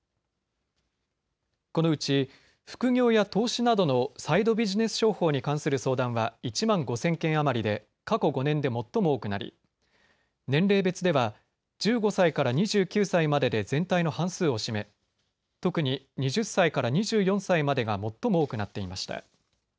このうち副業や投資などのサイドビジネス商法に関する相談は１万５０００件余りで過去５年で最も多くなり、年齢別では１５歳から２９歳までで全体の半数を占め、特に２０歳から２４歳までが最も多くなっていました。